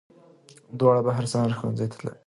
دواړه به هر سهار ښوونځي ته تلې